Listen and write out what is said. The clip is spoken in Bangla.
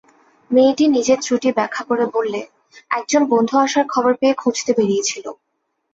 মেয়েটি নিজের ত্রুটি ব্যাখ্যা করে বললে, একজন বন্ধু আসার খবর পেয়ে খুঁজতে বেরিয়েছিলুম।